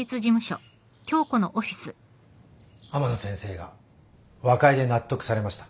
天野先生が和解で納得されました。